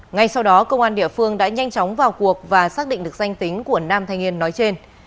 ngay sau đó công an địa phương đã nhanh chóng vào cuộc và xác định được danh tính của nam thanh niên nói trên